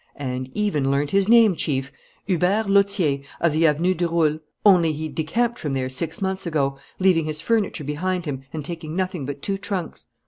"And even learnt his name, Chief: Hubert Lautier, of the Avenue du Roule. Only he decamped from there six months ago, leaving his furniture behind him and taking nothing but two trunks."